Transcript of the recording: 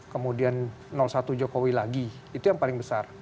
kemudian satu jokowi lagi itu yang paling besar